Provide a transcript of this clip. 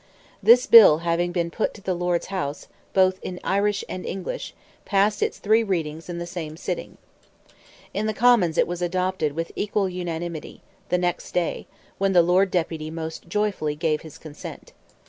This bill having been put to the Lords' House, both in Irish and English, passed its three readings at the same sitting. In the Commons it was adopted with equal unanimity the next day, when the Lord Deputy most joyfully gave his consent.